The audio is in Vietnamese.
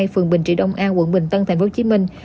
phường bình trị đông a quận bình tân thành phố hồ chí minh